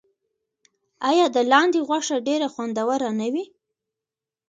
آیا د لاندي غوښه ډیره خوندوره نه وي؟